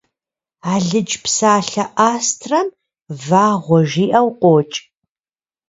Алыдж псалъэ «астрэм» «вагъуэ» жиӏэу къокӏ.